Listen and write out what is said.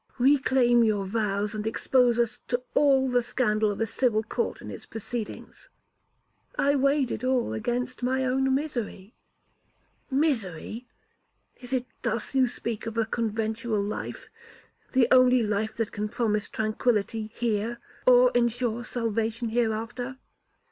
'Reclaim your vows, and expose us to all the scandal of a civil court and its proceedings.' 'I weighed it all against my own misery.' 'Misery! is it thus you speak of a conventual life, the only life that can promise tranquillity here, or ensure salvation hereafter.'